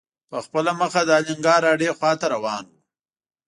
په خپله مخه د الینګار هډې خواته روان و.